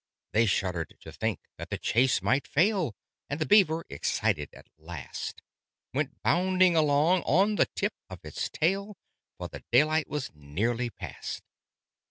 They shuddered to think that the chase might fail, And the Beaver, excited at last, Went bounding along on the tip of its tail, For the daylight was nearly past.